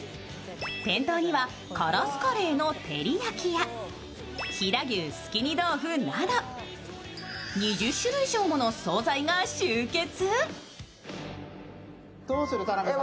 店頭にはカラスカレイの照り焼きや飛田牛すき煮豆腐など２０種類以上もの惣菜が集結。